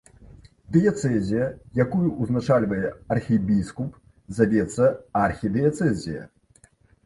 Дыяцэзія, якую ўзначальвае архібіскуп, завецца архідыяцэзія.